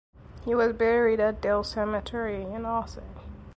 He was buried at Dale Cemetery in Ossining.